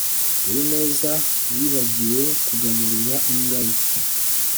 uwineza yibagiwe kugaburira imbwa ye